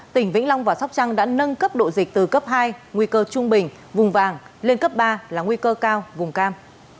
tỉnh vĩnh long và sóc trăng đã nâng cấp độ dịch từ cấp hai nguy cơ trung bình vùng vàng lên cấp ba là nguy cơ cao vùng cam